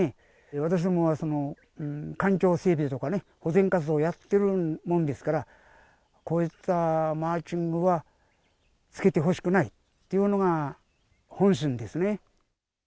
私どもは環境整備とかね、保全活動をやってるもんですから、こういったマーキングは、つけてほしくないっていうのが本心ですね。